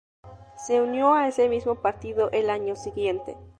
Se unió a ese mismo partido al año siguiente.